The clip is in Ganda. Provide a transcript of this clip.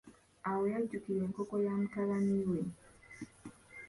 Awo yajjukila enkoko ya mutabani we.